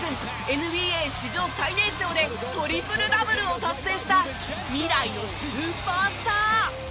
ＮＢＡ史上最年少でトリプルダブルを達成した未来のスーパースター。